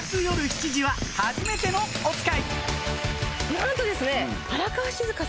なんとですね。